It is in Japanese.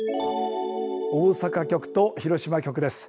大阪局と広島局です。